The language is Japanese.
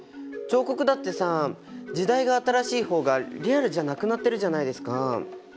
彫刻だってさ時代が新しい方がリアルじゃなくなってるじゃないですか。